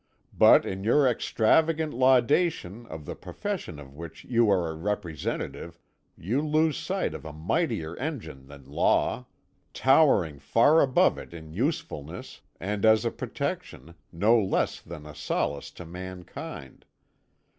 But in your extravagant laudation of the profession of which you are a representative you lose sight of a mightier engine than Law, towering far above it in usefulness, and as a protection, no less than a solace to mankind.